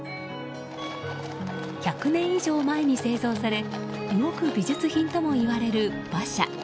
１００年以上前に製造され動く美術品ともいわれる馬車。